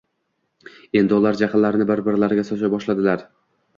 Endi ular jahllarini bir-birlariga socha boshladilar.